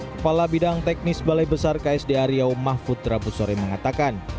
kepala bidang teknis balai besar ksda riau mahfud rabu sore mengatakan